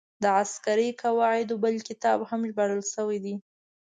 د عسکري قواعدو بل کتاب هم ژباړل شوی دی.